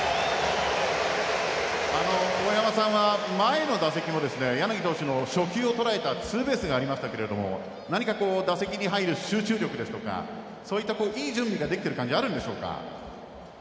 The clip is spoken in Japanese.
大山さんは前の打席も、柳投手の初球をとらえたツーベースがありましたけども何か打席に入る集中力ですとかそういったいい準備ができている感じあるんでしょうか？